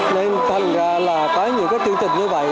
nên thành ra là có những cái chương trình như vậy